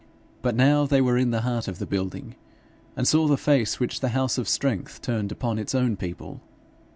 But now they were in the heart of the building, and saw the face which the house of strength turned upon its own people.